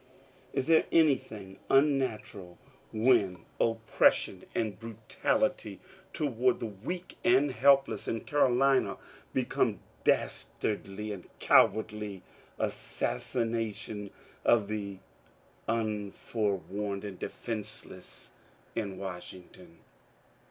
... Is there anything un natural when oppression and brutality toward the weak and helpless in Carolina become dastardly and cowardly assassi nation of the unforewarned and defenceless in Washington